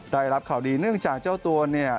ได้รับข่าวดีเนื่องจากเจ้าตัวเนี่ย